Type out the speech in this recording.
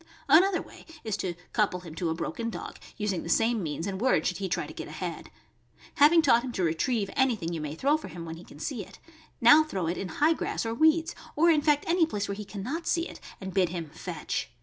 Another way is to couple him to a broken dog, using the same means and word should he try to get ahead. Having taught him to retrieve anything you may throw for him when he can see it, now throw it in high grass or weeds, or in fact any place where he can not see it, and bid him "fetch."